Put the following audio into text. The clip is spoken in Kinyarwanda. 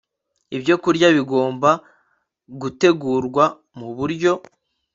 Ibyokurya bigomba gutegurwa mu buryo